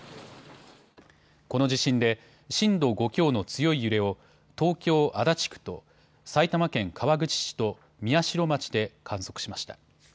この地震で震度５強の強い揺れを東京足立区と埼玉県川口市と宮代町で観測しました。